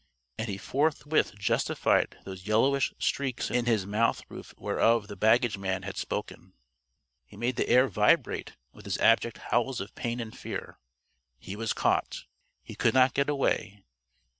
And he forthwith justified those yellowish streaks in his mouth roof whereof the baggage man had spoken. He made the air vibrate with his abject howls of pain and fear. He was caught. He could not get away.